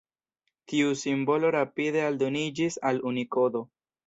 Tiu simbolo rapide aldoniĝis al Unikodo.